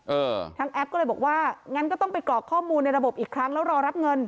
เออทางแอปก็เลยบอกว่างั้นก็ต้องไปกรอกข้อมูลในระบบอีกครั้งแล้วรอรับเงิน